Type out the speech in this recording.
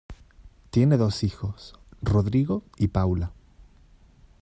Tiene dos hijos: Rodrigo y Paula.